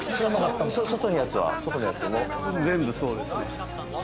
全部そうですね。